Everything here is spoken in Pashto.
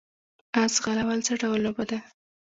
اس ځغلول څه ډول لوبه ده؟